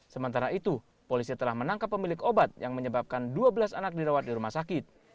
sementara itu polisi telah menangkap pemilik obat yang menyebabkan dua belas anak dirawat di rumah sakit